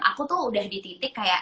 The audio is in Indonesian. aku tuh udah dititik kayak